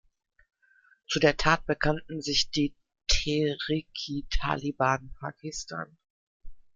Zu der Tat bekannten sich die Tehrik-i-Taliban Pakistan.